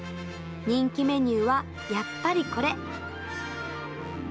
人気メニューはやっぱりこれ。